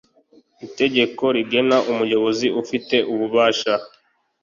itegeko rigena umuyobozi ufite ububasha